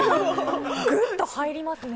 ぐっと入りますね。